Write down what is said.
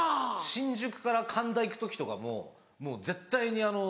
新宿から神田行く時とかももう絶対にあの。